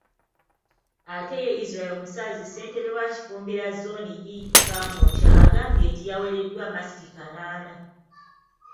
Ate ye Israel Musaazi Ssentebe wa Kifumbira Zzooni e Kamwokya yagambye nti yawereddwa masiki kanaana.